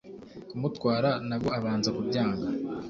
kumutwara nabwo abanza kubyanga